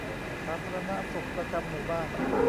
สาธารณสุขประจำหมู่บ้าน